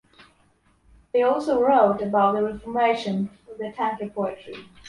They also wrote about the reformation of tanka poetry.